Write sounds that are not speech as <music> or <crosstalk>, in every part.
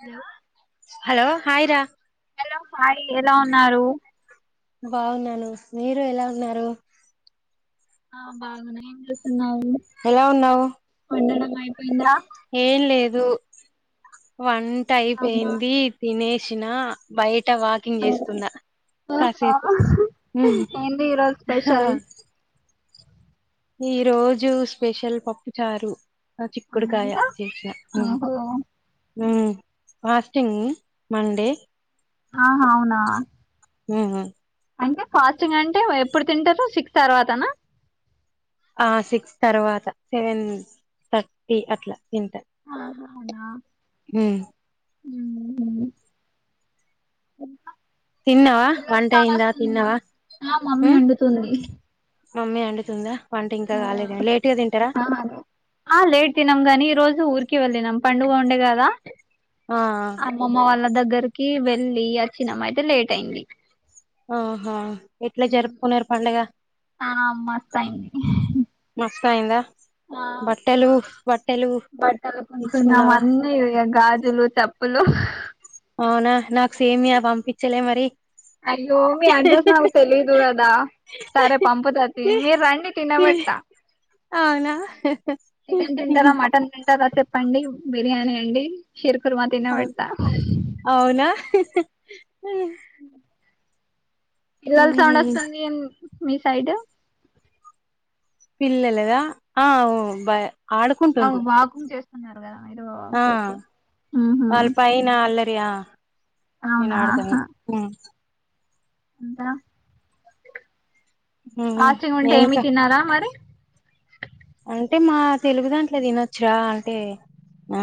Hello hello హయరా hello మాయి ఎలా ఉన్నారు బాగున్నాను మీరు ఎలా ఉన్నారు ఆ బాగున్నా ఏం చేస్తున్నావ్ ఎలా ఉన్నావు అయి పోయిం ఏం లేదు వంట అయి అవునా పోయింది తినేసీ చ్చిన బయట ట్ట వాకింగ్ చేస్తున్నా ఓహో కాసేపు. హ్ ఏంది ఈరోజు హ స్పెషల్ ఈ రోజు స్పెషల్ పప్పు చారు ఆ అవునా చికడుకాయ ఇంకా శేష ఓహో హ్ ఫాస్టింగ్ మండే ఆహా అవునా హ్ హ్ అంటే ఫాస్టింగ్ అంటే ఎప్పుడు తింటారు. సిక్స్ తర్వాతనా ఆ సిక్స్ తర్వాత సెవెన్ థర్టీ అట్లా తింట ఆహా అవునా ఆ మ్మ్. ఇంకా తిన్నావా వంట పిల్లలకు ఆకలీ అయిందా ఏస్తుంది. తిన్నావా ఆ మమ్మీ ఉమ్ వండుతుంది మమ్మీ అండుతుందా ఉ ఆ లేట్ తినం గని ఈ రోజు ఊర్ కి వెళ్ళినం పండుగ ఉండే గాదా ఆ అమమ్మ వల్ల దగ్గర దగ్గరికి వెల్లి అచ్చినం అయితే లేట్ అయింది. ఆహా ఎట్లా జరుపుకున్నారు. పండుగ ఆ మస్తాయింది. మస్త్ అయిందా ఆ బట్టలు బట్టలు బట్టలు కొంటున్నాం తీసుకున్నావా అన్నీ ఇగ గాజులు చెప్పులు పిచ్చలే మరి అయ్యో మీ అండ్రస్ నాకు తెలీదు కదా సరే పంపుత తి మీరు రండి తినబెడతా అవునా చికెన్ తింటర మాటన్ తింటార కదా చెప్పండి బిర్యానీ అండి షిర్ కుర్మ తీన పెడ్త అవునా పిల్లల సౌండ్ ఆస్తుంది మీ సైడ్ పిల్లలదా ఆ హ్ బా అ వాగు చేస్త అన్నారు కదా మీరు ఆ ఓకే ఓకే ఊహూ వాళ్ళ పైైన అళ్ సయా నేను అవునా వాతను అంతా ఆశంగా ఉంటే ఏమి ఇంకా తిన్నారా మరి అంటే మా తెలుగు దాంట్లో తినొచ్చరా అంటే ఆ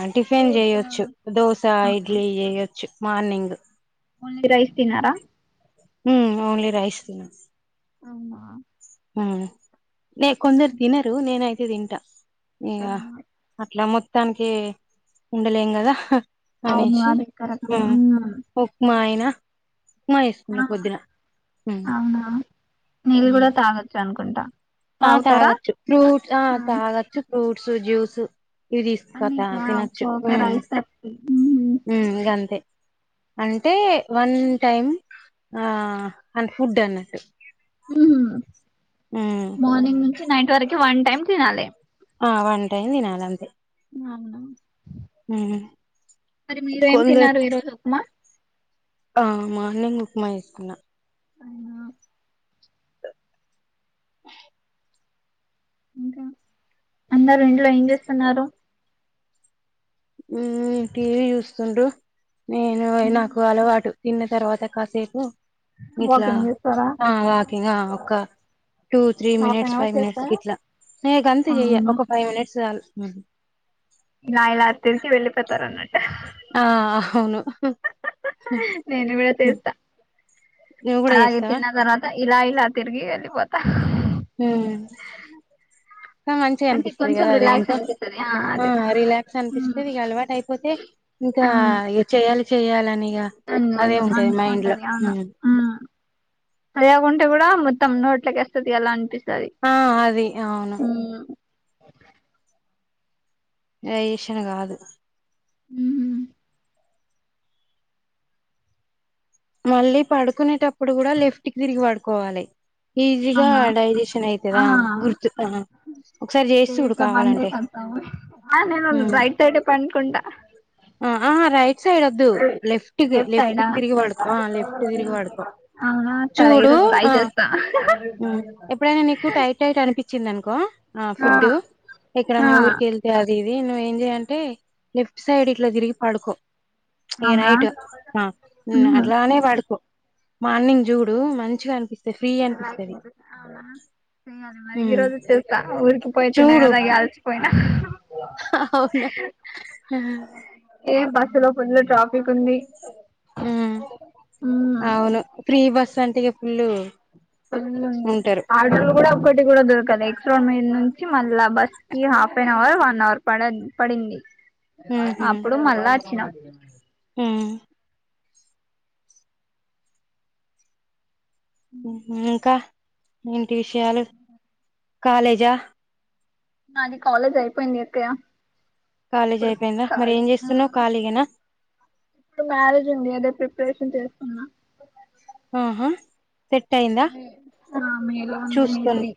ఆ టిఫిన్ ఫ్రూట్స్ చేయొచ్చు దోస ఇడ్లీ చేయొచ్చు మార్నింగ్ ఓన్లీ రైస్ తినారా ఓన్లీ రైస్ిన ఆమ ఆ న కొందరి దినరు నేనయతు అ తింట ఇయా అట్లా మొత్తం మత్తానికి ఉండలేం కదా అవును అనేసి మారత్తే ఉమ్, ఉ ఉప్మా అయినా ఉప్మా వేసుకున్న పొద్దున జనుకుంటా ఆ తాగొచ్చు ఫ్రూట్ ఆ తాగొచ్చు ఫ్రూట్ జ్యూస్ ఇవి తీసుకోత అన్నిట్లో ఒకే తినొచ్చు ఒక ఒక రైస్ తప్పి ఉమ్ ఇకంతే అంటే వన్ టైమ్ ఆ అన్ ఫుడ్ అన్నట్ హ మార్నింగ్ నుంచి నైట్ వరకు వన్ టై తీనాాల ఆ వన్ టైం తినాల అంతే అవు మరి మీరు ఏం కొందరు తిన్నారు ఈరోోజుమా ఆ మార్నింగ్ ఉప్మా వేసుకున్నా అనా ఇంకా అన్నారు ఇంట్లో ఏం చేస్తున్నారు ఉ టీవీ చూస్తుండ్రడు నేను నాకు అలవాటు తిన్న తర్వాత కాసేపు ఇట్లా వాకింగ్ చేస్తారా వాకింగ్ ఒక two three half an minutes hour five minutes కి చేస్తారా ఇట్లా న గంత చెయ్య అవునా ఒక ఫైవ్ మినిట్స్ చాల హ నా ఇలా అ తెర్చ వెళ్ళిపోతారు అన్నట్ట ఆ అవును నేను బీడతే ఇస్తా నువ్వు కూడా అలాగే చేస్తావా తిన్న తర్వాత ఇలా ఇలా తిర్గి అలి ఇ మంచిగా అంటే అనిపిస్తుది కొంచెం కదా అద రిలాక్స్ ఏంటో అనిపిస్తది ఆ అదే రిలాక్స్ అనిపిస్తుంది ఇక అలవాటు అయిపోతే ఇంకా ఇ చేయాలి చేయ్యాలని అంటది అవును సరి ఆకుంటే కూడా మ తమ్మునుోట్లకేస్తుంది ఎలా అనిపిస్తుంది ఆ అది అవును అఓ రయషన్ కాదు హ మళ్ళీ పడుకునేటప్పుడు కూడా లెఫ్ట్ కి తిరిగి పడుకోవాలి ఈజీగా అవునా డైజెషన్ అయితది ఆ గుర్తు ఆ ఒకసారి చేసి చూడు కావాలంటే నేను ఉమ్ రైట్ తర్ పంకుంటా ఆ ఆ రైట్ సైడ్ అ ెఫ్ట్ లెఫ్ట్ ెఫ్ట్ క సైడా తిరిగి వాడు ఆ లెఫ్ట్ తిరిగి పడుకో అవునా సరే చూడు ఈరోజు ట్రై ఆ చేస్తా ఎప్పుడైనా నీకు టైట్ అైట్ అనిపి వచ్చిందనుకో ఆ ఫుడ్డు ఎక్కడన్నా ఆ ఊరిక వెళ్తే అది నువ్్వ ఏం చేయంటే లెఫ్ట్ సైడ్ ఇట్లా తిరిగి పడుకో ఏ అవునా నైట్ అ ఉహు లానే వాడుకు మార్నింగ్ చూడు మంచిగా అనిపిస్ అవునాయాలి మరి ఈ హ్మ్ రోజు చేస్తా ఊరికి చూడు పోయితేనాగ పోయినా అవునా ఆ ఇలో ఫుల్ ట్రాఫిక్ ఉంది హ్మ్ ఉమ్ అవును ఫ్రీ బస్ ంటికి పుల్లు ఫుల్ ఉంది ఆటోలు కూడా ఒకటి కూడా దొరకాల ఎక్స్ రోడ్ మీద నుంచి మళ్ళా బస్ కి half an hour one hour పడ పడింది ఉహు అప్పుడు మళ్ళా వచ్చినాం <inaudible> హ్మ్ హ్మ్ ఇంకా ఏంటి విషయాలు కాలేజా నాది కాలేజ్ అయిపోయింది అక్కయ్యా కాలేజీ అయిపోయిందా మరి ఏం చేస్తున్నావు ఖాళీగేనా ఇప్పుడు మ్యారేజ్ ఉంది అదే ప్రిపరేషన్ చేస్తున్నా ఆహా సెట్ అయిందా మే లో ఉంది మే చూసుకోం త్రీ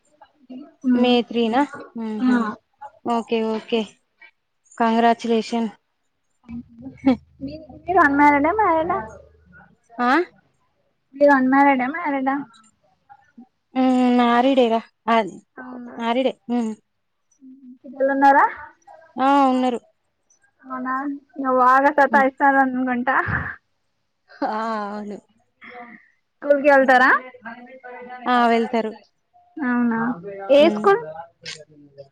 మే ఉమ్ త్రీనా ఉహు ఆ ఉహు ఓకే ఓకే కంగ్రాచులేషన్ మీ గుడు మీరు అన్మ్యారీడ్ ఆ మ్యారీడ్ ఆ ఆ మీరు అన్మ్యారీడ్ ఆ మ్యారీడ్ ఆ ఉ మ్యారీడ్ ఏ రా అది మారిడే ఉ పిల్లలు ఉన్నారా ఆ ఉన్నారు అవునా నువ్ ఆగ సతా ఇస్తారా అనుగొని ట ఆ అవును <unintelligible> స్కూల్ కి వెళ్తారా ఆ వెళ్తారు అవునా ఏ ఉమ్. స్కూల్ నీ కన్నా ముందే అను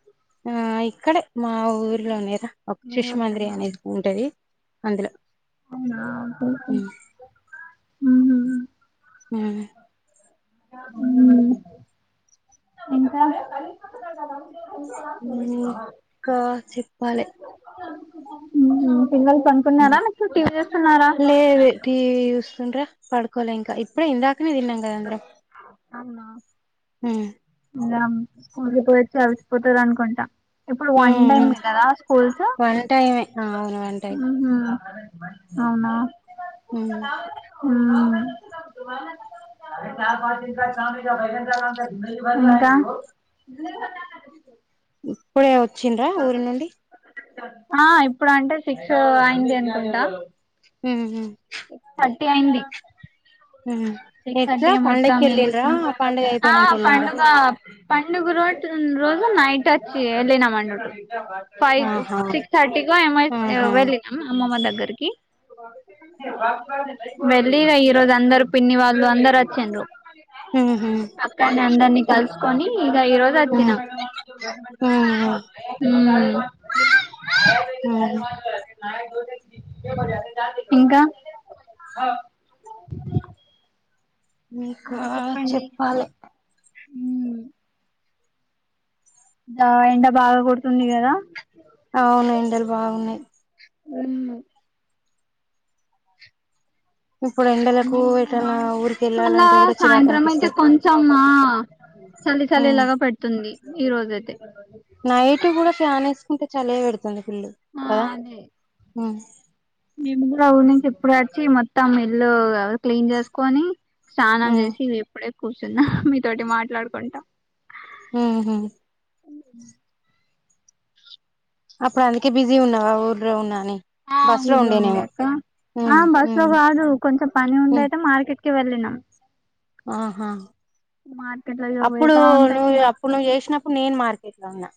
ఆ ఇక్కడే మా ఊర్లోనేరా ఒక మీ శిశు మందిర్ వద్దన్నా అనేది ఉంటది అందులో అవునా బాకు ఉమ్. హ మా ఆయన ఉమ్ ఇంకా ఉ క చెప్ వలే ఉహు పిల్లలు పనుకున్నారా ఉమ్. మీకు టీ వీ చూస్తున్నారా తుంటే పడుకోలే ఇంకా ఇప్పుడే ఇందా <inaudible> తిన్నాం గదా అందరం ఊ ఇంగాం స్కూలుక పోయొచ్చి అలసిపోతారు అనుకుంటా ఇప్పుడు వన్ టైమ్ ఉమ్. ఏ కదా స్కూల్స్ వన్ టైమే ఆ, అవును వన్ టైం ఊహూ అవునా ఉమ్ ఊ ఇంకా ఇప్పుడే వొ చ్చిండ్రా ఊరి నుండి ఆ ఇప్పుడు అంటే సిక్సు అయింది అనుకుంటా మ్మ్ హ్మ్ టీ అయింది ఎట్లా పండగకి వెళ్ళిండ్రా పండుగ ఆ అయిపోయినాక వెళ్ళిండ్రా పండుగ పండుగ రోటు రోజు నైట్ వచ్చి వెళ్ళినమండి ఆండి ఫైవ్ కు ఆహా సిక్స్ థర్టీ కో ఎమో ఐ ఆహా వెళ్ళినాం అమ్మమ్మ దగ్గరకి వెళ్ళిరా ఈరోజు అందరూ పిన్ని వాళ్ళు అందరు వచ్చిండ్రు ఉహు అక్కన్నే అందరినీ కలిసి కానీ గ ఈ రోజు ఉహు వచ్చినాం ఉహు ఉమ్ ఉహు ఇంకా ఇంకా చెప్పాలి ఉమ్ దా ఎండ బాగా కొడుతుంది కదా అవును ఎండలు బాగున్నాయి మ్మ్ హ్ ఇప్పుడు ఎండలకు ఎటన్నా ఊరికి బాగున్నాయి మళ్ళా వెళ్ళాలంటే కూడా చిరాకు సాయంత్రం అయితే అనిపిస్తది కొంచెం చలి ఉమ్ చల్లిలాగా పెడుతుంది ఈ రోజ అయితే నైట్ కూడా స ఆనేేసుకుంటే చలవిడుత ది పల్ళ ఆ కదా అదే బ మేము కూడా అఊరి నుంచి ఎప్పుడు వచ్చి మొత్తం ఇల్లు క్లీన్ చేసుకొని స్నానం ఉమ్ చేసి ఇప్పుడే కూర్చున్నా మీతోోటి మాట్లాడుకుంటాం హ అ అప్పుడు అందుకే బిజీ ఉన్నావా ఊర్లో ఉన్నాని ఆ ఊర్లో ఉండే అక్క ఆ ఉమ్ బస్ లో ఉమ్ కాదు కొంచెం పని ఉండ ఉమ్ అయితే మార్కెట్ వెళ్ళిన ఆహా మార్కెట్ లో ఇగ అప్పుడు పోయేదా ఉంటది నువ్వు అప్పుడు నువ్వు చేసినప్పుడు నేను మార్కెట్ లో ఉన్నా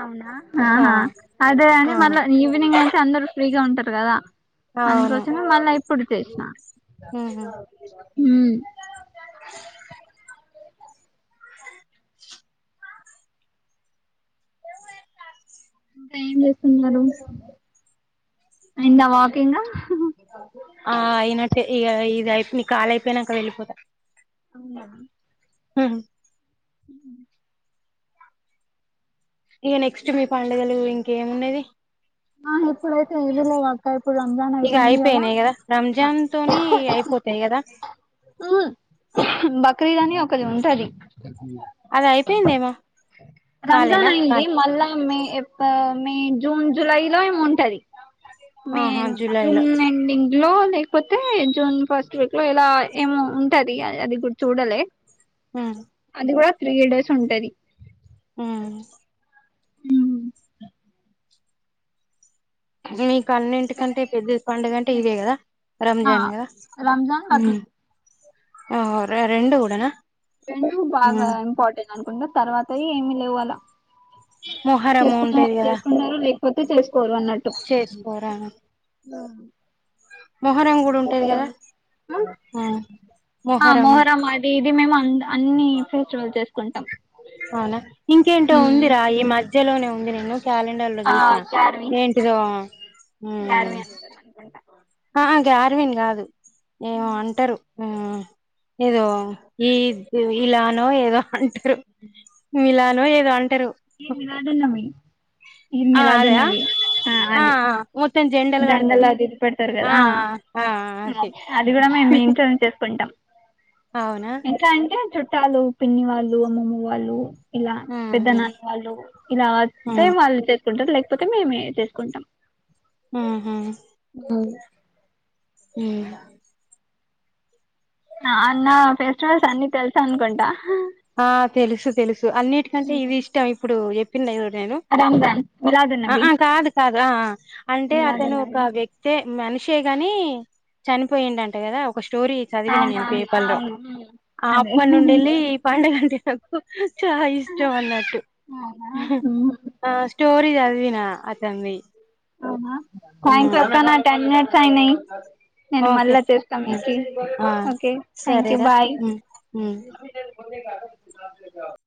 అవునా ఆ హా అదే అని ఆ మళ్ళా ఈవనింగ్ అయితే అందరు ఫ్రీగా ఉంట కదా అవును అందుకోసమే మళ్ళా ఎప్పుడు చేసినా ఉహు అ <inaudible> ఇంకా ఏం చేస్తున్నారు అంద వాకింగ్ ఆ అయినట్టే ఇ ఇదియి నీ కాాల అయిపోయినాక వెళ్ళిపోతా అవునా హ అ ఇక నెక్స్ట్ మీ పండుగలు ఇంకేమున్నది నాప్పు ఇప్పుడైతే ఏవీలో అక్క ఇప్పుడు రంజాన్ ఇగ అయిపోయింది కదా అయిపోయినాయి రంజాన్ తోని అయిపోతాయి కదా బక్రీద్ అని ఒకది ఉంటది అది అయిపోయిందేమో రంజాన్ కాలేనా అయింది కాల్ మల్లా మే జూన్ జులై లోము ఉంటది మ ఆహా జూలైలో జూన్ ఎండింగ్ లో లేకపోతే జూన్ ఫస్ట్ వీక్ లో ఇలా ఏమో ఉంటది అది కూడా చూడలే అదిే కూడా త్రీ ఇడర్స్ ఉంటది హ ఉ నీకు అన్నింటికంటే ఉగాది పెద్ద అయిపోయిన పండుగ తర్వాత అంటే ఇదే ఇగ కదా ఆ రంజాన్గా రంజాన్ బక్రీద్ ఆ రెం కూడాూడనా రెండు బాగా ఇంపార్టెంట్ అనుకుంటా తర్వాత ఏమిీ లేవులా మొహరము ఉంటేది కదా మ చె ఫర్ వన్ట్టు చేసుకోరా ఆ మొహరం కూడా ఉంటది కదా ఆ మ మొహరం అది ఇది మ అన్ని ఫెస్టివల్ చేసుకుంటాం అవునా ఇంకేంట ఉమ్ ఉందందిరా ఈ మధ్య మ్యలోనే ఉంది నేను క్యాలెండర్ లో చూసిన ఏంటిదో ారుమ అంత అంతకుంటా ే ఆ వన్ కాదు ఏమో అంటారు ఆ ఏదో ఈ ఇలానో ఏదో అంటు ఇలాను ఏదో అంటారు ఈ మిలాదున్నవి ఈద్ ఆ అదా మ దండల్ అది ఇది పడతారు కదా ఆ ఆ అది కూడా మేము మన్ంచూరస్తం కొండం అవునా ఇంకా అంటే చుట్ట చాలు పిన్ని వాళ్ళు అమ్మమ్ వాళ్ళు ఇలా మ్మ్ పెద్ద నాన్న వాళ్ళు ఇలా వస్తే హ్మ్ వాళ్ళు చె ంటారు లేకపోతే మేమే చేసుకుంటాం హ హ ఉమ్, అన్నా ఫెస్టివల్స్ అన్ని తెల్సా అన్కుంటా ఆ తెలుసు తెలుసు అన్నిటికంటే ఇది ఇష్టం ఇప్పుడు పి రాంజాన్ విలాదు నబీ కాదు కాదు ఆ అంటే అతను ఒక వ్యక్తే మనిషే కాగాని చనిపోయిండ అంటే కదా ఒక స్టోరీ చదివిన అవును నేను అవును పేపర్ లో అవును ఉమ్, ఆ అదే అప్పటి నుండి వెళ్ళి అండ గంటేకు చాలా ఇష్టం అన్నట్టు అవునా ఉమ్, ఆ స్టోరీ చదివిన తన్వి అవునా థ్యాంక్యూ అక్క నా టెన్ మినిట్స్ అయినాయి నేను ఓకే మళ్ళా చేస్తాను మీకి ఆ ఓకే థ్యాంక్ యూ సరేరా బాయ్ ఉమ్, ఉమ్. కొ